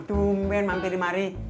tunggu ben mampirin mari